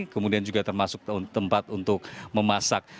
kemudian juga termasuk tempat untuk memasak